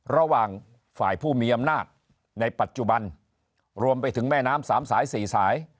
ระหว่างฝ่ายผู้มีอำนาจในปัจจุบันรวมไปถึงแม่น้ำสามสายสี่สาย